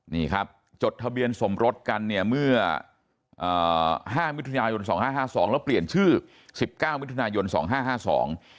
นี่ครับจดทะเบียนสมรสกันเนี่ยเมื่อ๕มิถุนายน๒๕๕๒แล้วเปลี่ยนชื่อ๑๙มิถุนายน๒๕๕๒